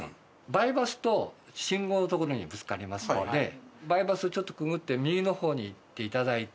バイパスと信号の所にぶつかりますのでバイパスをちょっとくぐって右の方に行っていただいて。